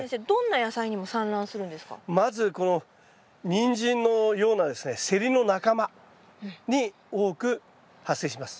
まずこのニンジンのようなですねセリの仲間に多く発生します。